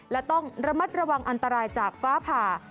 และต้องระมัดระวังอันตรายจากฟ้าผ่า